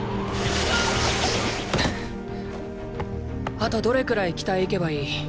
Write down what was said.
あとどれくらい北へ行けばいい？